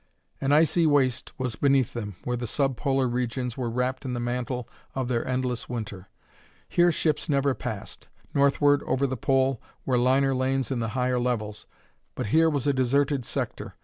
An icy waste was beneath them, where the sub polar regions were wrapped in the mantle of their endless winter. Here ships never passed. Northward, toward the Pole, were liner lanes in the higher levels, but here was a deserted sector.